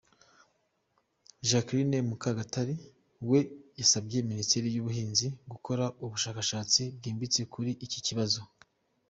Jacqueline Mukagatari we yasabye Minisiteri y’ubuhinzi gukora ubushakashatsi bwimbitse kuri iki kibazo.